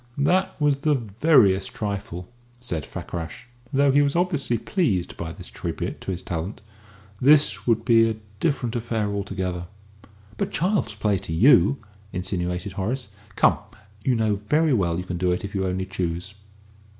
"That was the veriest trifle," said Fakrash, though he was obviously pleased by this tribute to his talent; "this would be a different affair altogether." "But child's play to you!" insinuated Horace. "Come, you know very well you can do it if you only choose."